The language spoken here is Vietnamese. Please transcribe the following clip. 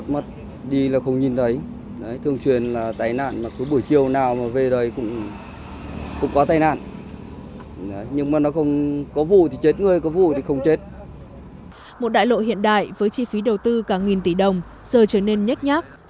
một đại lộ hiện đại với chi phí đầu tư cả nghìn tỷ đồng giờ trở nên nhét nhát